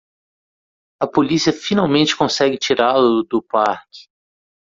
A polícia finalmente consegue tirá-lo do parque!